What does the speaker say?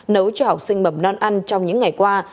nấu cho học sinh mầm non ăn trong những ngày qua